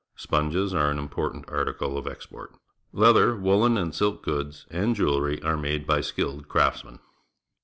Sponges are an important article of export. Leather, woollen and silk goods, and jewellery are made by skilled craftsmen.